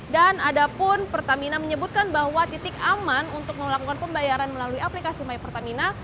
dan adapun pertamina menyebutkan bahwa titik aman untuk melakukan pembayaran melalui aplikasi mypertamina